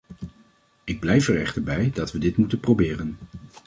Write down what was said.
Ik blijf er echter bij dat we dit moeten proberen.